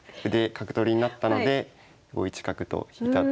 角取りになったので５一角と引いたところです。